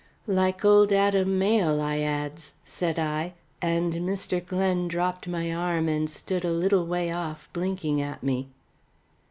"Like old Adam Mayle, I adds," said I; and Mr. Glen dropped my arm and stood a little way off blinking at me.